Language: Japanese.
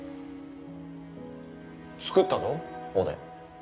作ったぞおでん。